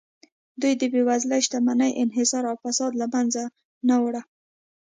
دوی د بېوزلۍ، شتمنۍ انحصار او فساد له منځه نه وړه